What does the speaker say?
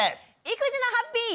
「育児のハッピー」。